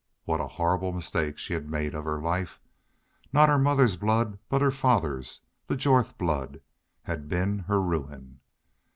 What a horrible mistake she had made of her life! Not her mother's blood, but her father's the Jorth blood had been her ruin.